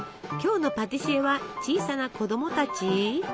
今日のパティシエは小さな子供たち？